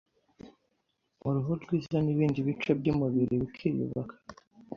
uruhu rwiza n’ibindi bice by’umubiri bikiyubaka,